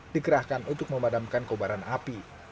dikerahkan untuk memadamkan kobaran api